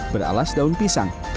beralas daun pisang